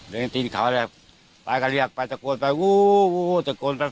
ตินเขาเลยไปก็เรียกไปตะโกนไปอู้ตะโกนไป